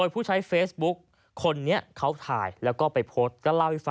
ผู้ใช้เฟซบุคทายแล้วก็ไปโพสต์